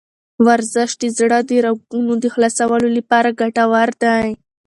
ورزش د زړه د رګونو د خلاصولو لپاره ګټور دی.